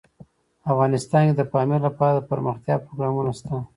افغانستان کې د پامیر لپاره دپرمختیا پروګرامونه شته.